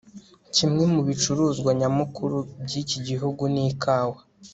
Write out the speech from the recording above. kimwe mu bicuruzwa nyamukuru byiki gihugu ni ikawa